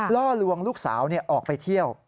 ล่อลวงลูกสาวออกไปเที่ยว